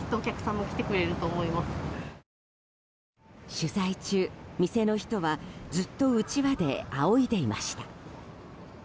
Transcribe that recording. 取材中、店の人はずっと、うちわであおいでいました。